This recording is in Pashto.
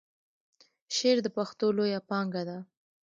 شعر د پښتو لویه پانګه ده.